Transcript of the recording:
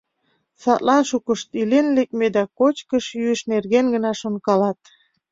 Садлан шукышт илен лекме да кочкыш-йӱыш нерген гына шонкалат.